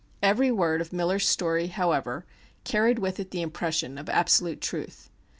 Every word of Miller's story, however, carried with it the impression of absolute truth.